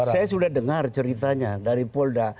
saya sudah dengar ceritanya dari polda